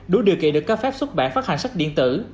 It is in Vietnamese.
đủ điều kiện được cấp phép xuất bản phát hành sách điện tử